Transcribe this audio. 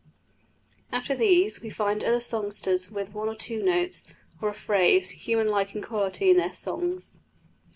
After these, we find other songsters with one or two notes, or a phrase, human like in quality, in their songs.